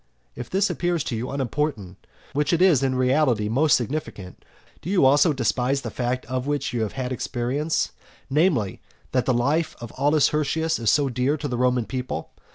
If this appears to you unimportant, which is in reality most significant, do you also despise the fact of which you have had experience, namely, that the life of Aulus Hirtius is so dear to the Roman people?